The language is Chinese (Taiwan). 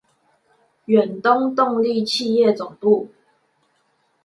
遠東動力企業總部